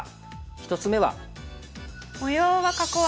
１つ目は。